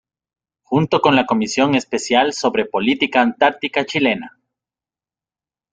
Junto con la Comisión Especial sobre Política Antártica Chilena.